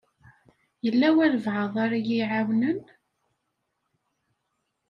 Yella walebɛaḍ ara yi-iɛawnen?